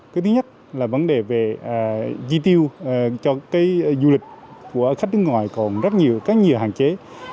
cái thứ nhất là vấn đề về chi tiêu cho cái du lịch của khách nước ngoài còn rất nhiều có nhiều hạn chế